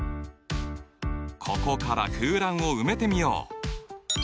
ここから空欄を埋めてみよう。